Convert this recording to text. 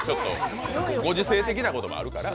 ご時世的なこともあるから。